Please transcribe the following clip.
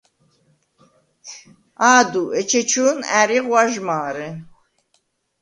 ა̄დუ, ეჩეჩუ̄ნ ა̈რი ღვაჟმა̄რე.